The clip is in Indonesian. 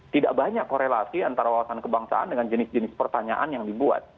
tidak banyak korelasi antara wawasan kebangsaan dengan jenis jenis pertanyaan yang dibuat